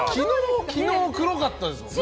昨日、黒かったですもんね。